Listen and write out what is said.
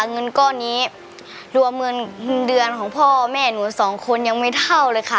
เงินก้อนนี้รวมเงินเดือนของพ่อแม่หนูสองคนยังไม่เท่าเลยค่ะ